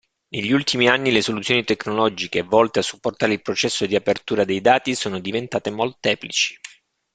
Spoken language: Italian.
Negli ultimi anni le soluzioni tecnologiche volte a supportare il processo di apertura dei dati sono diventate molteplici.